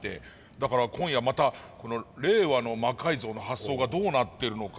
だから今夜また令和の魔改造の発想がどうなってるのか。